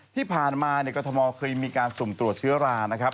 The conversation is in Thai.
ที่ผ่านมาก็ทมเคยมีการสมตรวจเชื้อรา